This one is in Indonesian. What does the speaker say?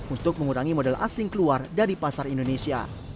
untuk mengurangi modal asing keluar dari pasar indonesia